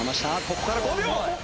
ここから５秒。